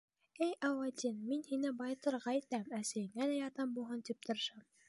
— Эй Аладдин, мин һине байытырға итәм, әсәйеңә лә ярҙам булһын тип тырышам.